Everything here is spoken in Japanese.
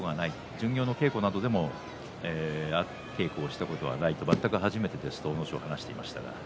巡業の稽古でも稽古をしたことがない全く初めてですと話をしていました。